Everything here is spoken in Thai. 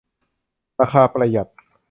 ราคาประหยัด